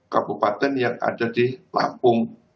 kabupaten yang ada di lampung